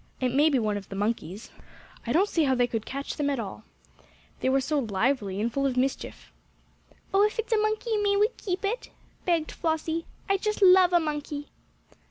It may be one of the monkeys I don't see how they could catch them all they were so lively and full of mischief." "Oh, if it's a monkey, may we keep it?" begged Flossie. "I just love a monkey."